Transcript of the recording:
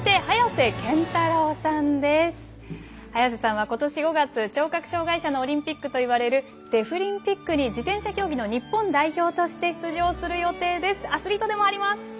早瀬さんはことし５月聴覚障がい者のオリンピックといわれるデフリンピックに自転車競技の日本代表として出場する予定でもあります